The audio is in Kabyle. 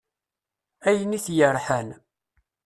Ayen it-yerḥan.